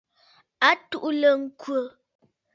A tuʼulə ŋkhə.